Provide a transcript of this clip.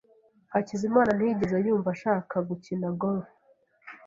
Hakizimana ntiyigeze yumva ashaka gukina golf.